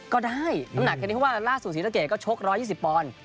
ก็ได้น้ำหนักแค่นี้เพราะว่าล่าสุดศรีสะเกดก็ชก๑๒๐ปอนด์